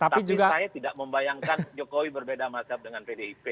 tapi saya tidak membayangkan jokowi berbeda mazhab dengan pdip